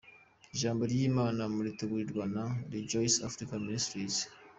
Ijambo ry’Imana muritegurirwa na Rejoice Africa Ministries.